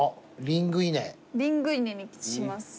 リングイネにします。